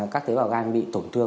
các tế bào gan bị tổn thương